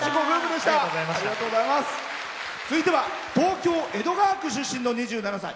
続いては東京・江戸川区出身の２７歳。